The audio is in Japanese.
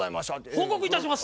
報告いたします！